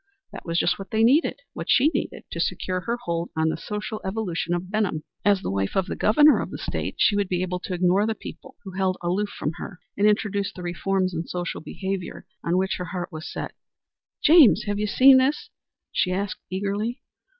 That was just what they needed, what she needed to secure her hold on the social evolution of Benham. As the wife of the Governor of the State she would be able to ignore the people who held aloof from her, and introduce the reforms in social behavior on which her heart was set. "James, have you seen this?" she asked, eagerly.